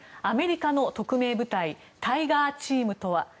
アメリカの特命部隊タイガーチームとは。